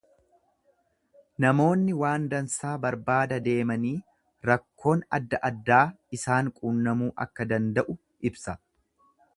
Namoonni waan dansaa barbaada deemanii rakkoon adda addaa isaan qunnamuu akka danda'u ibsa.